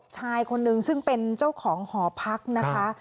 ชายคนนึงซึ่งเป็นเจ้าของหอพักนะคะ